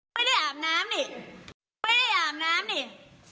ไม่ได้อาบน้ำนี่